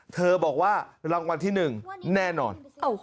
เธอบอกว่ารางวัลที่๑แน่นอน